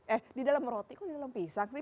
eh di dalam roti kok di dalam pisang sih